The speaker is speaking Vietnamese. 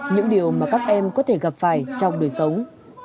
những điều mà các em có thể gặp phải trong đời sống